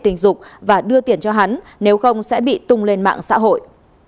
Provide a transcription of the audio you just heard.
tình dục và đưa tiền cho hắn nếu không sẽ bị tung lên mạng xã hội